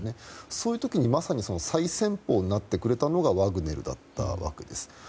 そういう時にまさに最先鋒になってくれたのがワグネルだったわけです。